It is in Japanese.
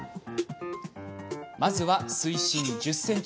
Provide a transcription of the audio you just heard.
まずは、水深１０ｃｍ。